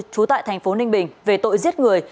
trú tại thành phố ninh bình về tội giết người